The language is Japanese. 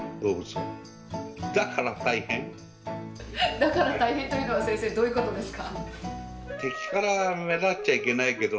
だから大変というのは、先生、どういうことですか。